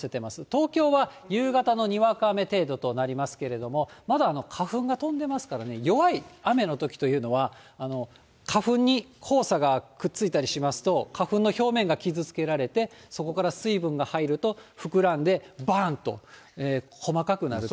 東京は夕方のにわか雨程度となりますけれども、まだ花粉が飛んでますから、弱い雨のときというのは、花粉に黄砂がくっついたりしますと、花粉の表面が傷つけられて、そこから水分が入ると膨らんでばーんと細かくなるという。